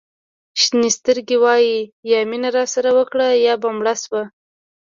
شینې سترګې وایي یا مینه راسره وکړه یا به مړه شو.